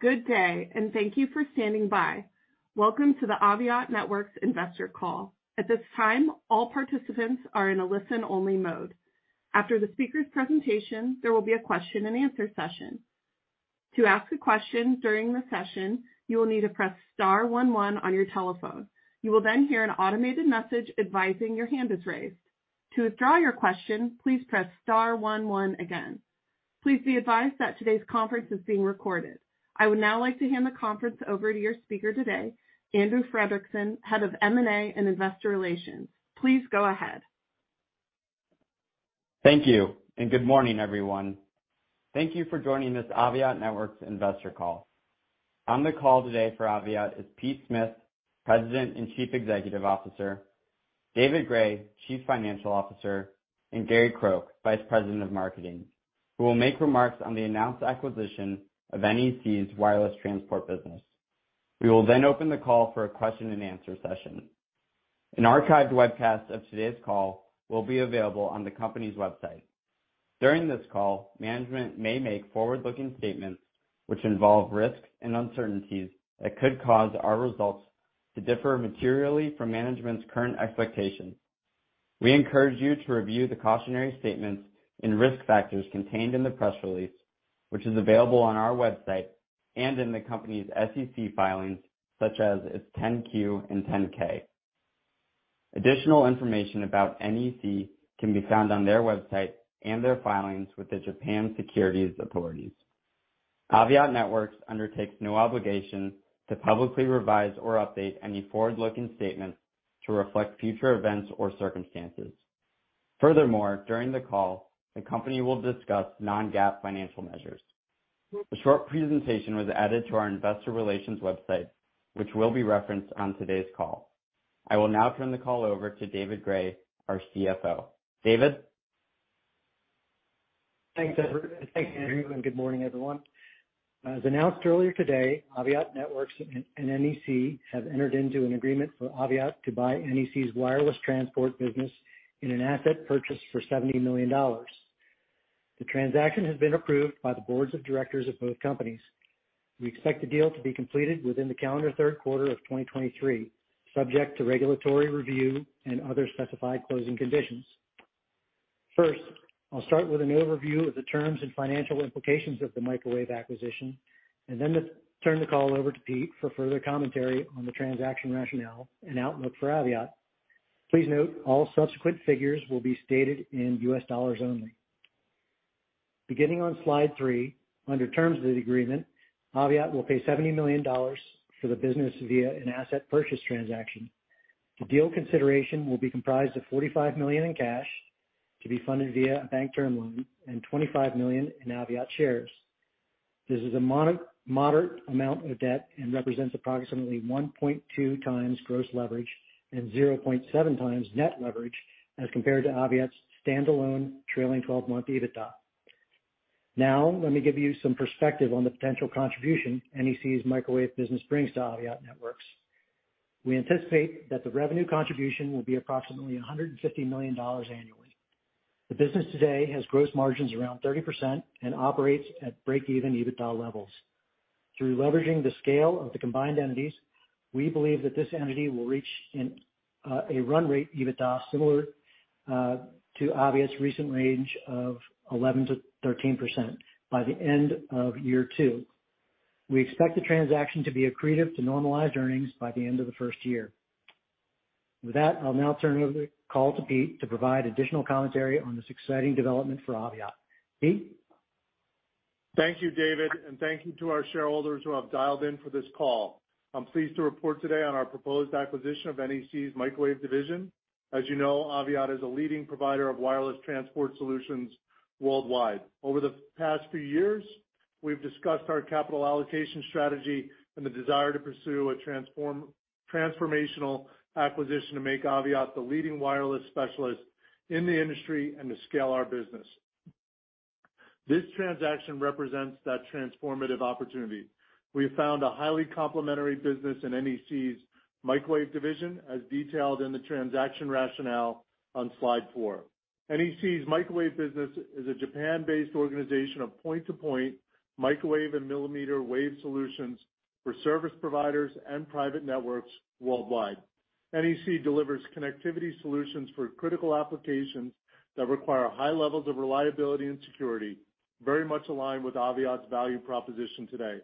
Good day, and thank you for standing by. Welcome to the Aviat Networks investor call. At this time, all participants are in a listen-only mode. After the speaker's presentation, there will be a question-and-answer session. To ask a question during the session, you will need to press star one one on your telephone. You will then hear an automated message advising your hand is raised. To withdraw your question, please press star one one again. Please be advised that today's conference is being recorded. I would now like to hand the conference over to your speaker today, Andrew Fredrickson, Head of M&A and Investor Relations. Please go ahead. Thank you, and good morning, everyone. Thank you for joining this Aviat Networks investor call. On the call today for Aviat is Pete Smith, President and Chief Executive Officer, David Gray, Chief Financial Officer, and Gary Croke, Vice President of Marketing, who will make remarks on the announced acquisition of NEC's Wireless Transport business. We will then open the call for a question-and-answer session. An archived webcast of today's call will be available on the company's website. During this call, management may make forward-looking statements which involve risks and uncertainties that could cause our results to differ materially from management's current expectations. We encourage you to review the cautionary statements in risk factors contained in the press release, which is available on our website and in the company's SEC filings, such as its 10-Q and 10-K. Additional information about NEC can be found on their website and their filings with the Japan Securities authorities. Aviat Networks undertakes no obligation to publicly revise or update any forward-looking statements to reflect future events or circumstances. Furthermore, during the call, the company will discuss non-GAAP financial measures. A short presentation was added to our investor relations website, which will be referenced on today's call. I will now turn the call over to David Gray, our CFO. David? Thanks, Edward. Thank you, Andrew, and good morning, everyone. As announced earlier today, Aviat Networks and NEC have entered into an agreement for Aviat to buy NEC's Wireless Transport business in an asset purchase for $70 million. The transaction has been approved by the boards of directors of both companies. We expect the deal to be completed within the calendar third quarter of 2023, subject to regulatory review and other specified closing conditions. First, I'll start with an overview of the terms and financial implications of the microwave acquisition and then to turn the call over to Pete for further commentary on the transaction rationale and outlook for Aviat. Please note all subsequent figures will be stated in US dollars only. Beginning on slide 3, under terms of the agreement, Aviat will pay $70 million for the business via an asset purchase transaction. The deal consideration will be comprised of $45 million in cash to be funded via a bank term loan and $25 million in Aviat shares. This is a moderate amount of debt and represents approximately 1.2x gross leverage and 0.7x net leverage as compared to Aviat's standalone trailing 12-month EBITDA. Now, let me give you some perspective on the potential contribution NEC's microwave business brings to Aviat Networks. We anticipate that the revenue contribution will be approximately $150 million annually. The business today has gross margins around 30% and operates at break-even EBITDA levels. Through leveraging the scale of the combined entities, we believe that this entity will reach a run rate EBITDA similar to Aviat's recent range of 11%-13% by the end of year two. We expect the transaction to be accretive to normalized earnings by the end of the first year. With that, I'll now turn over the call to Pete to provide additional commentary on this exciting development for Aviat. Pete? Thank you, David. Thank you to our shareholders who have dialed in for this call. I'm pleased to report today on our proposed acquisition of NEC's microwave division. As you know, Aviat is a leading provider of wireless transport solutions worldwide. Over the past few years, we've discussed our capital allocation strategy and the desire to pursue a transformational acquisition to make Aviat the leading wireless specialist in the industry and to scale our business. This transaction represents that transformative opportunity. We have found a highly complementary business in NEC's microwave division, as detailed in the transaction rationale on slide 4. NEC's microwave business is a Japan-based organization of point-to-point microwave and millimeter wave solutions for service providers and private networks worldwide. NEC delivers connectivity solutions for critical applications that require high levels of reliability and security, very much aligned with Aviat's value proposition today.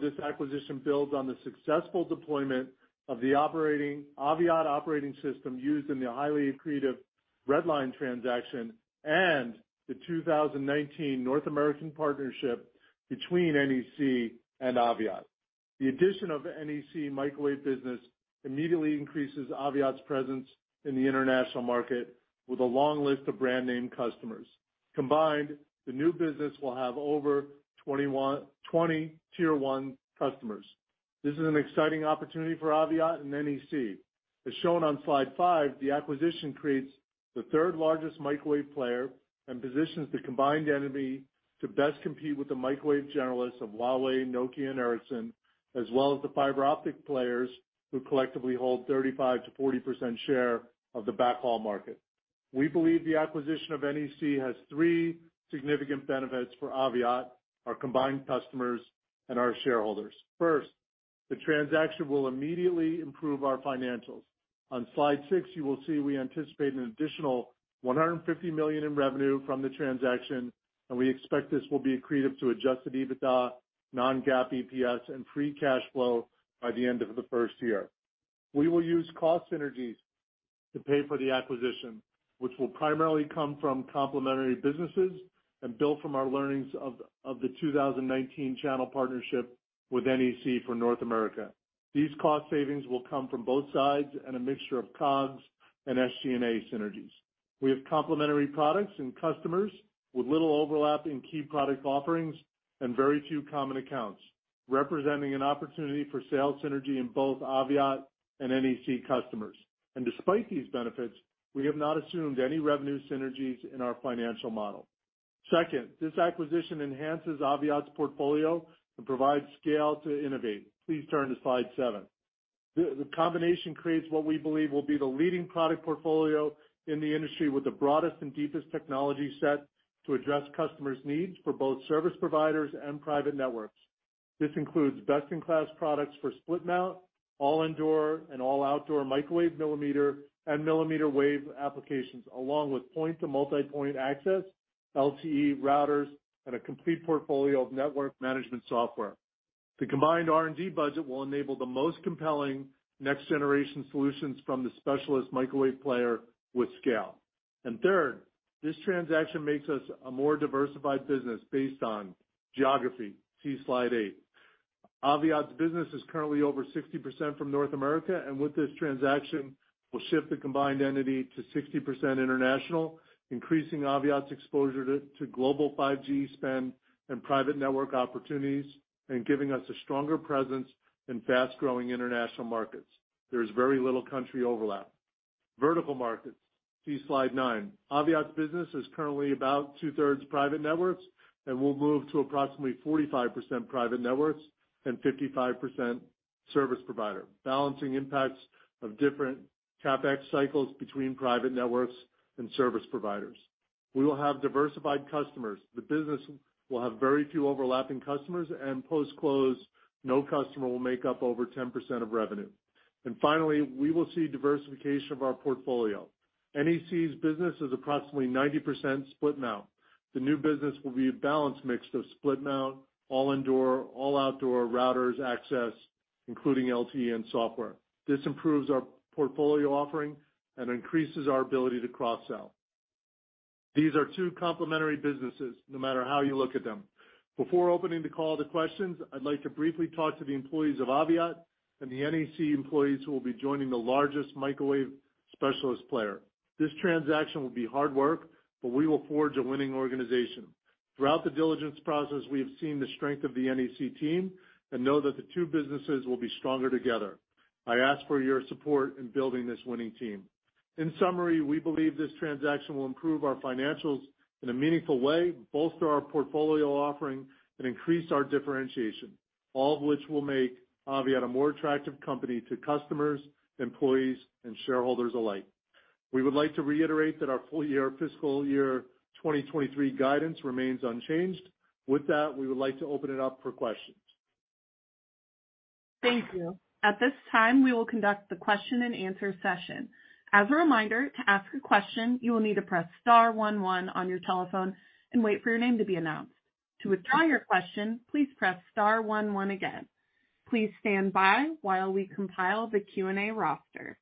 This acquisition builds on the successful deployment of the Aviat Operating System used in the highly accretive Redline transaction and the 2019 North American partnership between NEC and Aviat. The addition of NEC microwave business immediately increases Aviat's presence in the international market with a long list of brand name customers. Combined, the new business will have over 21-20 Tier 1 customers. This is an exciting opportunity for Aviat and NEC. As shown on slide 5, the acquisition creates the third-largest microwave player and positions the combined entity to best compete with the microwave generalists of Huawei, Nokia, and Ericsson, as well as the fiber optic players who collectively hold 35%-40% share of the backhaul market. We believe the acquisition of NEC has 3 significant benefits for Aviat, our combined customers, and our shareholders. First, the transaction will immediately improve our financials. On slide 6, you will see we anticipate an additional $150 million in revenue from the transaction, and we expect this will be accretive to adjusted EBITDA, non-GAAP EPS and free cash flow by the end of the first year. We will use cost synergies to pay for the acquisition, which will primarily come from complementary businesses and build from our learnings of the 2019 channel partnership with NEC for North America. These cost savings will come from both sides and a mixture of COGS and SG&A synergies. We have complementary products and customers with little overlap in key product offerings and very few common accounts, representing an opportunity for sales synergy in both Aviat and NEC customers. Despite these benefits, we have not assumed any revenue synergies in our financial model. Second, this acquisition enhances Aviat's portfolio and provides scale to innovate. Please turn to slide 7. The combination creates what we believe will be the leading product portfolio in the industry with the broadest and deepest technology set to address customers' needs for both service providers and private networks. This includes best-in-class products for split mount, all indoor and all outdoor microwave millimeter and millimeter wave applications, along with point-to-multipoint access, LTE routers, and a complete portfolio of network management software. The combined R&D budget will enable the most compelling next-generation solutions from the specialist microwave player with scale. Third, this transaction makes us a more diversified business based on geography. See slide 8. Aviat's business is currently over 60% from North America. With this transaction, we'll shift the combined entity to 60% international, increasing Aviat's exposure to global 5G spend and private network opportunities and giving us a stronger presence in fast-growing international markets. There is very little country overlap. Vertical markets. See slide 9. Aviat's business is currently about two-thirds private networks. We'll move to approximately 45% private networks and 55% service provider, balancing impacts of different CapEx cycles between private networks and service providers. We will have diversified customers. The business will have very few overlapping customers. Post-close, no customer will make up over 10% of revenue. Finally, we will see diversification of our portfolio. NEC's business is approximately 90% split mount. The new business will be a balanced mix of split mount, all indoor, all outdoor routers access, including LTE and software. This improves our portfolio offering and increases our ability to cross-sell. These are two complementary businesses no matter how you look at them. Before opening the call to questions, I'd like to briefly talk to the employees of Aviat and the NEC employees who will be joining the largest microwave specialist player. This transaction will be hard work, but we will forge a winning organization. Throughout the diligence process, we have seen the strength of the NEC team and know that the two businesses will be stronger together. I ask for your support in building this winning team. In summary, we believe this transaction will improve our financials in a meaningful way, bolster our portfolio offering, and increase our differentiation, all of which will make Aviat a more attractive company to customers, employees, and shareholders alike. We would like to reiterate that our full year fiscal year 2023 guidance remains unchanged. With that, we would like to open it up for questions. Thank you. At this time, we will conduct the question-and-answer session. As a reminder, to ask a question, you will need to press star one one on your telephone and wait for your name to be announced. To withdraw your question, please press star one one again. Please stand by while we compile the Q&A roster.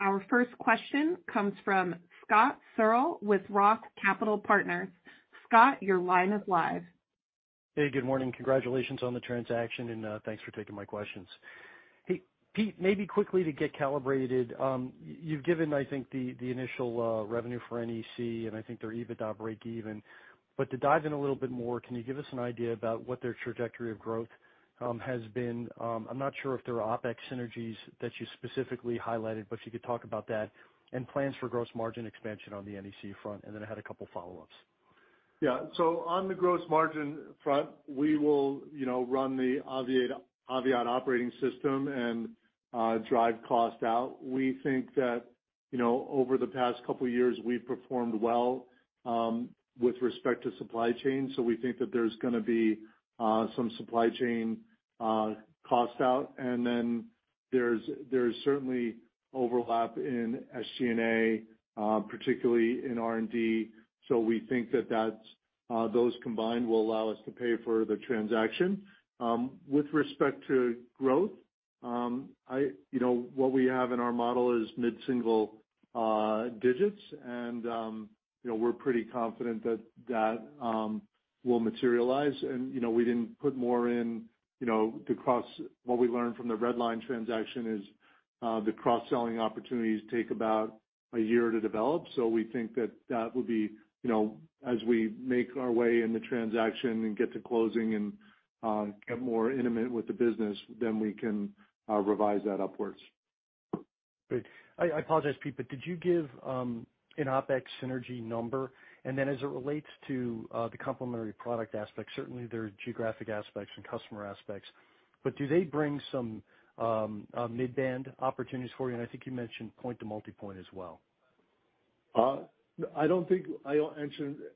Our first question comes from Scott Searle with Roth Capital Partners. Scott, your line is live. Hey, good morning. Congratulations on the transaction. Thanks for taking my questions. Hey, Pete, maybe quickly to get calibrated, you've given, I think, the initial revenue for NEC, and I think their EBITDA breakeven. To dive in a little bit more, can you give us an idea about what their trajectory of growth has been? I'm not sure if there are OpEx synergies that you specifically highlighted, but if you could talk about that and plans for gross margin expansion on the NEC front. Then I had a couple follow-ups. Yeah. On the gross margin front, we will, you know, run the Aviat Operating System and drive cost out. We think that, you know, over the past couple years, we've performed well with respect to supply chain. We think that there's gonna be some supply chain cost out. Then there's certainly overlap in SG&A, particularly in R&D. We think that that's, those combined will allow us to pay for the transaction. With respect to growth, You know, what we have in our model is mid-single digits, and, you know, we're pretty confident that that will materialize. You know, we didn't put more in, you know, What we learned from the Redline transaction is, the cross-selling opportunities take about a year to develop. We think that that will be, you know, as we make our way in the transaction and get to closing and get more intimate with the business, then we can revise that upwards. Great. I apologize, Pete, but did you give an OpEx synergy number? Then as it relates to the complementary product aspect, certainly there are geographic aspects and customer aspects, but do they bring some mid-band opportunities for you? I think you mentioned point-to-multipoint as well. I don't think I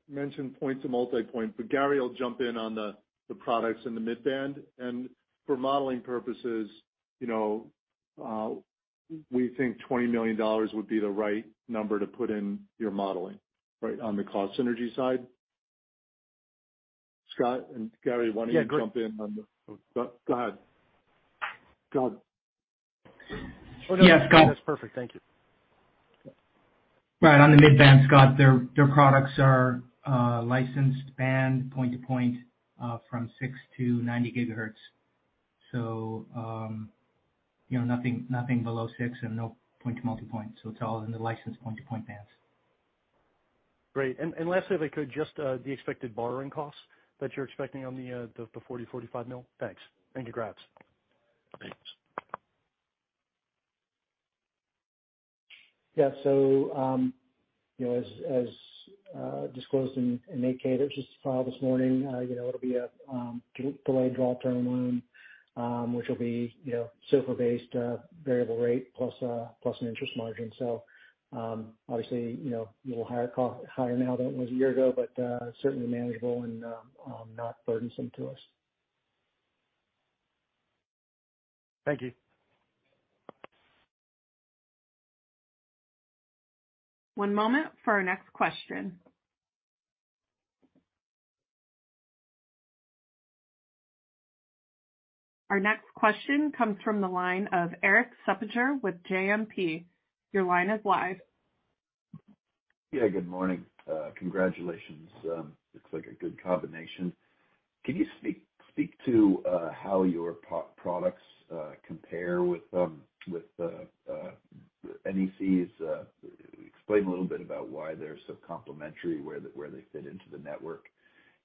mentioned point-to-multipoint. Gary will jump in on the products in the mid-band. For modeling purposes, you know, we think $20 million would be the right number to put in your modeling, right on the cost synergy side. Scott and Gary, why don't you jump in? Yeah, great. Go ahead. Go ahead. Yes, Scott. That's perfect. Thank you. Right. On the mid-band, Scott, their products are licensed band point-to-point, from 6 to 90 gigahertz. You know, nothing below 6 and no point to multipoint. It's all in the licensed point-to-point bands. Lastly, if I could, just, the expected borrowing costs that you're expecting on the $40 mil, $45 mil. Thanks. Thank you. Congrats. Thanks. You know, as disclosed in 8-K that just filed this morning, you know, it'll be a delayed draw term loan, which will be, you know, SOFR-based, variable rate plus an interest margin. Obviously, you know, a little higher now than it was a year ago, but certainly manageable and not burdensome to us. Thank you. One moment for our next question. Our next question comes from the line of Erik Suppiger with JMP. Your line is live. Yeah, good morning. Congratulations. Looks like a good combination. Can you speak to how your products compare with the NEC's, explain a little bit about why they're so complementary, where they fit into the network?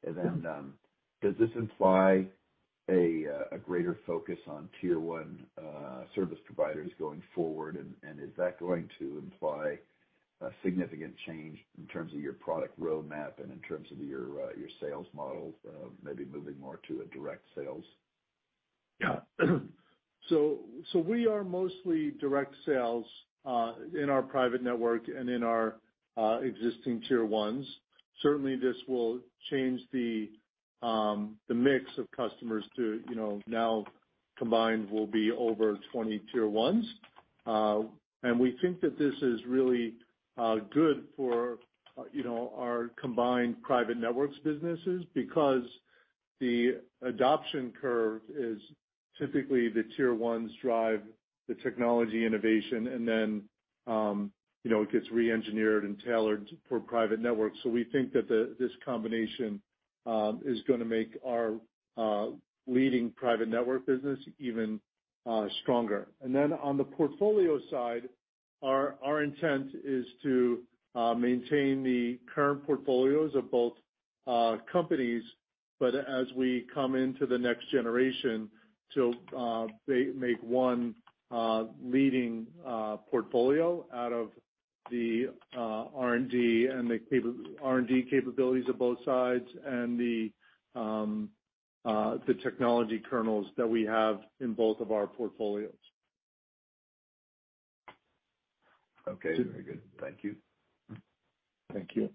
Does this imply a greater focus on tier one service providers going forward? Is that going to imply a significant change in terms of your product roadmap and in terms of your sales model, maybe moving more to a direct sales? Yeah. We are mostly direct sales in our private network and in our existing tier ones. Certainly, this will change the mix of customers to, you know, now combined will be over 20 tier ones. We think that this is really good for, you know, our combined private networks businesses because the adoption curve is typically the tier ones drive the technology innovation and then, you know, it gets reengineered and tailored for private networks. We think that this combination is gonna make our leading private network business even stronger. On the portfolio side, our intent is to maintain the current portfolios of both companies, but as we come into the next generation to make one leading portfolio out of the R&D capabilities of both sides and the technology kernels that we have in both of our portfolios. Okay. Very good. Thank you. Thank you.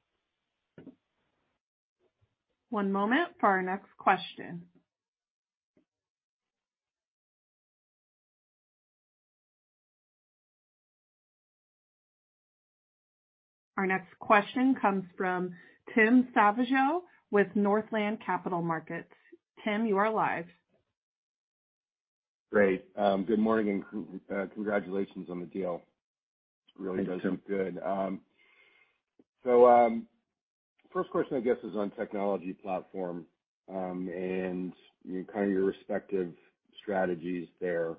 One moment for our next question. Our next question comes from Tim Savageaux with Northland Capital Markets. Tim, you are live. Great. Good morning and congratulations on the deal. Thanks, Tim. Really does look good. First question is on technology platform, and, you know, kind of your respective strategies there.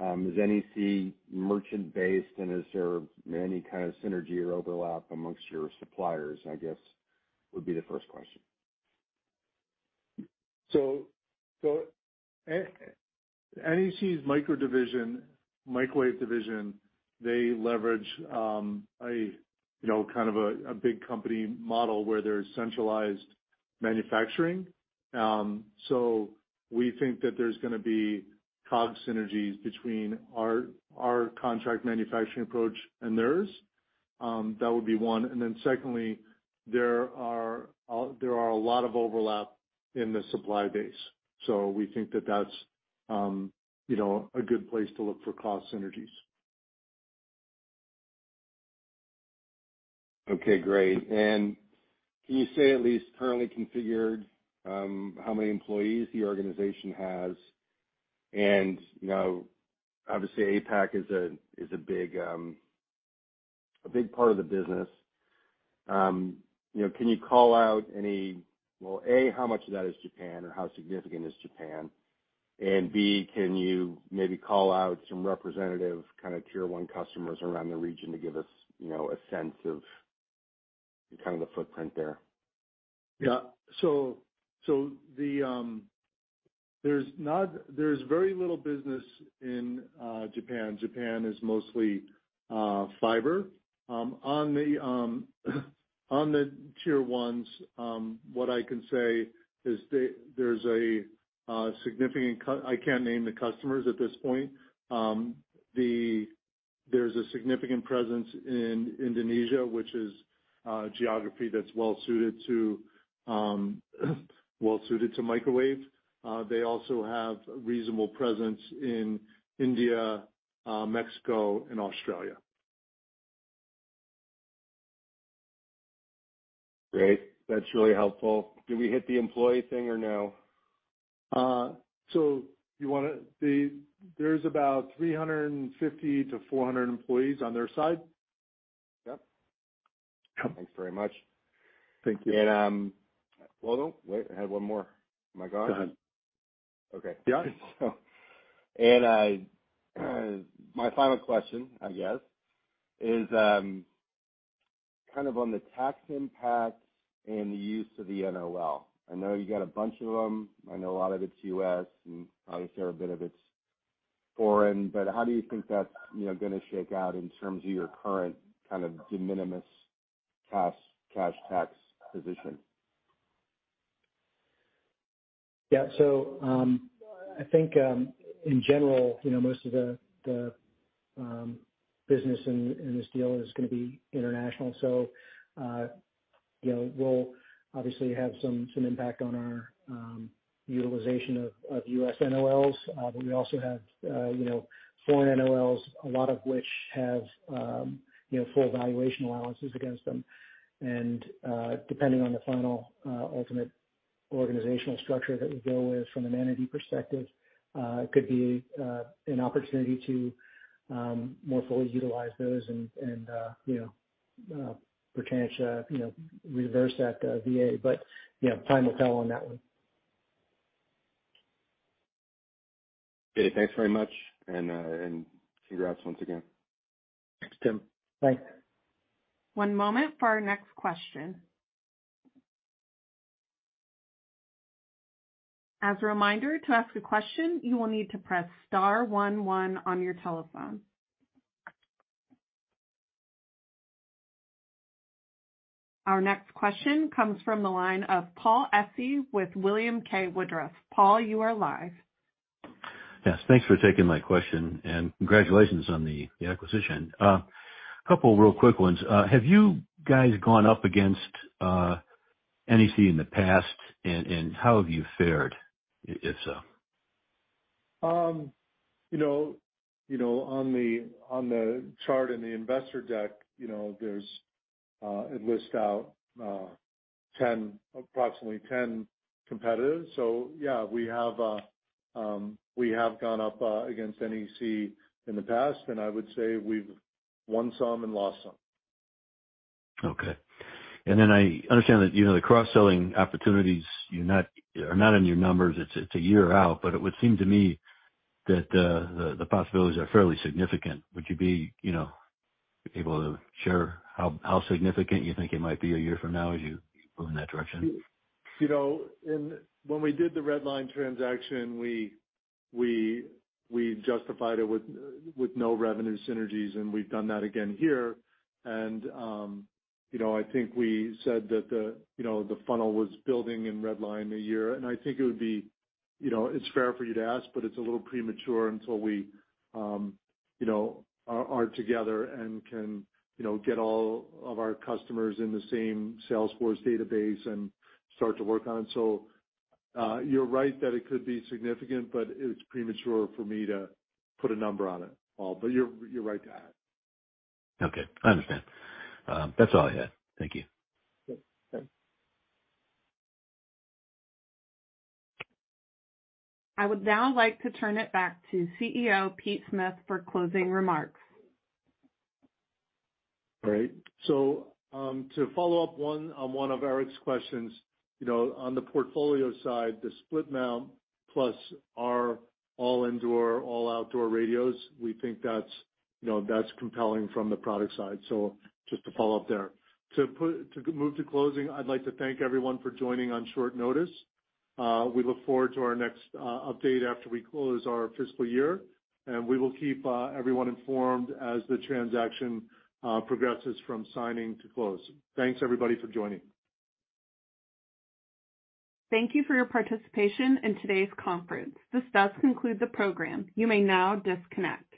Is NEC merchant-based, and is there any kind of synergy or overlap amongst your suppliers, would be the first question? NEC's micro division, microwave division, they leverage, you know, kind of a big company model where there's centralized manufacturing. We think that there's gonna be COGS synergies between our contract manufacturing approach and theirs. That would be one. Secondly, there are a lot of overlap in the supply base. We think that that's, you know, a good place to look for cost synergies. Okay, great. Can you say at least currently configured, how many employees the organization has? You know, obviously APAC is a big part of the business. You know, can you call out any... A, how much of that is Japan or how significant is Japan? B, can you maybe call out some representative kind of tier one customers around the region to give us, you know, a sense of the footprint there. Yeah. There's very little business in Japan. Japan is mostly fiber. On the tier ones, what I can say is there's a significant I can't name the customers at this point. There's a significant presence in Indonesia, which is a geography that's well suited to microwave. They also have reasonable presence in India, Mexico, and Australia. Great. That's really helpful. Did we hit the employee thing or no? there's about 350-400 employees on their side. Yep. Thanks very much. Thank you. Well, no. Wait, I had one more. Am I gone? Go ahead. Okay. Yeah. And I, my final question, I guess is, kind of on the tax impact and the use of the NOL. I know you got a bunch of them. I know a lot of it's U.S. and obviously a bit of it's foreign. How do you think that's, you know, gonna shake out in terms of your current kind of de minimis tax, cash tax position? Yeah. I think, in general, you know, most of the business in this deal is gonna be international. You know, we'll obviously have some impact on our utilization of U.S. NOLs. We also have, you know, foreign NOLs, a lot of which have, you know, full valuation allowances against them. Depending on the final, ultimate organizational structure that we go with from an entity perspective, could be an opportunity to more fully utilize those and, you know, potentially, you know, reverse that VA. You know, time will tell on that one. Okay. Thanks very much, and congrats once again. Thanks, Tim. Thanks. One moment for our next question. As a reminder, to ask a question, you will need to press star one one on your telephone. Our next question comes from the line of Paul Essi with William K. Woodruff. Paul, you are live. Yes, thanks for taking my question, and congratulations on the acquisition. Couple real quick ones. Have you guys gone up against NEC in the past, and how have you fared if so? You know, on the chart in the investor deck, you know, there's it lists out approximately 10 competitors. Yeah, we have gone up against NEC in the past, and I would say we've won some and lost some. Okay. I understand that, you know, the cross-selling opportunities are not in your numbers. It's a year out, but it would seem to me that the possibilities are fairly significant. Would you be, you know, able to share how significant you think it might be a year from now as you move in that direction? You know, when we did the Redline transaction, we justified it with no revenue synergies, and we've done that again here. You know, I think we said that the, you know, the funnel was building in Redline a year, and I think it would be, you know, it's fair for you to ask, but it's a little premature until we, you know, are together and can, you know, get all of our customers in the same Salesforce database and start to work on it. You're right that it could be significant, but it's premature for me to put a number on it, Paul, but you're right to ask. Okay. I understand. That's all I had. Thank you. Yeah. Thanks. I would now like to turn it back to CEO Pete Smith for closing remarks. All right. To follow up one, on one of Erik's questions, you know, on the portfolio side, the split mount plus our all indoor, all outdoor radios, we think that's, you know, that's compelling from the product side. Just to follow up there. To move to closing, I'd like to thank everyone for joining on short notice. We look forward to our next update after we close our fiscal year, and we will keep everyone informed as the transaction progresses from signing to close. Thanks everybody for joining. Thank you for your participation in today's conference. This does conclude the program. You may now disconnect.